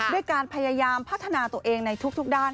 ด้วยการพยายามพัฒนาตัวเองในทุกด้าน